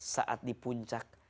saat di puncak